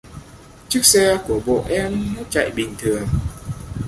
Chiếc xe của bộ em nó chạy bình thường